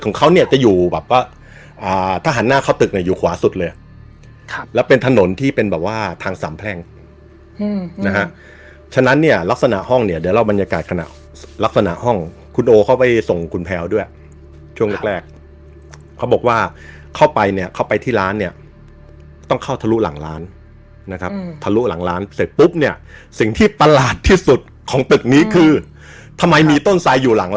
นสามแพรงอืมนะฮะฉะนั้นเนี่ยลักษณะห้องเนี่ยเดี๋ยวเราบรรยากาศขณะลักษณะห้องคุณโอเขาไปส่งคุณแพรวด้วยช่วงแรกแรกเขาบอกว่าเข้าไปเนี่ยเข้าไปที่ร้านเนี่ยต้องเข้าทะลุหลังร้านนะครับอืมทะลุหลังร้านเสร็จปุ๊บเนี่ยสิ่งที่ประหลาดที่สุดของตึกนี้คือทำไมมีต้นไซด์อยู่หล